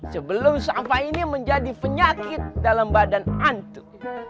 sebelum sampah ini menjadi penyakit dalam badan antu